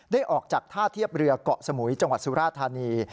ได้ออกจากท่าเทียบเรือเกาะสมุยจังหวัดสุราธานี